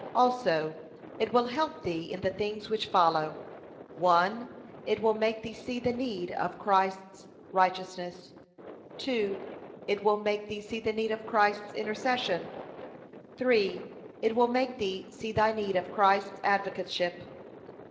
Also, it will help thee in the things which follow: l. It will make thee see the need of Christ's righteousness. 2. It will make thee see the need of Christ's intercession. 3. It will make thee see thy need of Christ's advocateship.